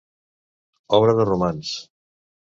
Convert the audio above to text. Obra de romans.